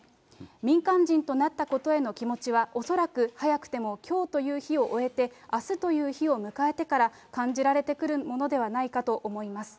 民間人となったことへの気持ちは、恐らく早くてもきょうという日を終えて、あすという日を迎えてから感じられてくるものではないかと思います。